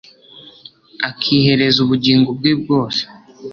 akihereza ubugingo bwe bwose